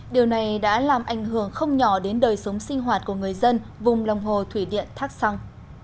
điều này đã làm ảnh hưởng không nhỏ đến đời sống sinh hoạt của người dân vùng lòng hồ thủy điện thác săng